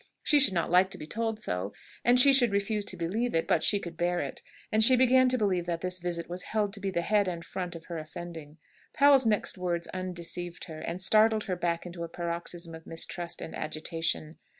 She should not like to be told so, and she should refuse to believe it, but she could bear it; and she began to believe that this visit was held to be the head and front of her offending. Powell's next words undeceived her, and startled her back into a paroxysm of mistrust and agitation.